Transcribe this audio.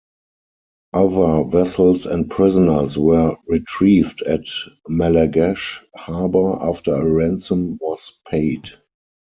Other vessels and prisoners were retrieved at Malagash Harbour after a ransom was paid.